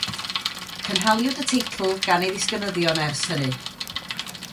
Cynhaliwyd y teitl gan ei ddisgynyddion ers hynny.